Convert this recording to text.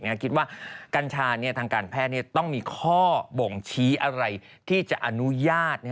คิดว่ากัญชาทางการแพทย์ต้องมีข้อบ่งชี้อะไรที่จะอนุญาต